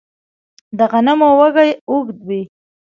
د غنمو وږی اوږد وي.